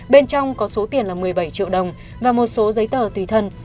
bên trong có số tiền là một mươi bảy triệu đồng và một số giấy tờ tùy thân